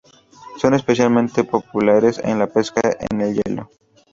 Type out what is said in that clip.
Son especialmente populares en la pesca en el hielo.